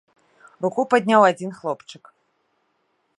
Руку падняў адзін хлопчык.